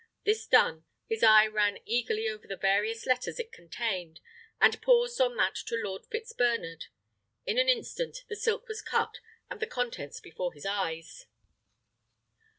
This done, his eye ran eagerly over the various letters it contained, and paused on that to Lord Fitzbernard. In an instant the silk was cut, and the contents before his eyes.